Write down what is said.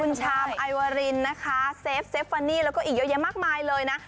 คุณชามไอวารินนะคะเซฟเซฟฟานี่แล้วก็อีกเยอะแยะมากมายเลยนะ